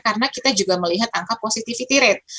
karena kita juga melihat angka positivity rate